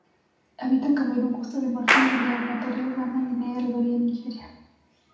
Habita en Camerún, Costa de Marfil, Guinea Ecuatorial, Ghana, Guinea, Liberia y Nigeria.